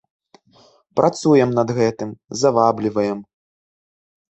Працуем над гэтым, завабліваем.